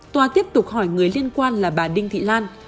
tòa tiếp tục hỏi người liên quan là bà đinh thị lan